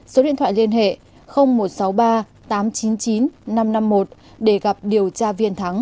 số điện thoại liên hệ một trăm sáu mươi ba tám trăm chín mươi chín năm trăm năm mươi một để gặp điều tra viên thắng